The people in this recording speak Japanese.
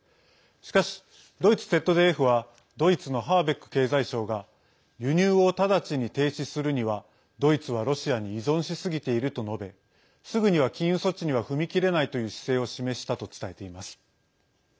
しかし、ドイツＺＤＦはドイツのハーベック経済相が輸入を直ちに停止するにはドイツはロシアに依存しすぎていると述べすぐには金融措置には踏み切れないという姿勢を示したと伝えています。